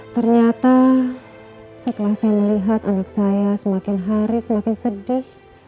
ternyata setelah saya melihat anak saya semakin hari semakin sedih